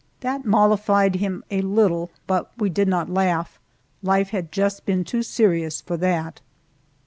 That mollified him a little, but we did not laugh life had just been too serious for that.